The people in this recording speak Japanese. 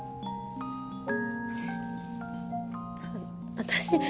私